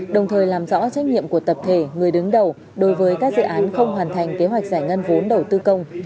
đồng thời làm rõ trách nhiệm của tập thể người đứng đầu đối với các dự án không hoàn thành kế hoạch giải ngân vốn đầu tư công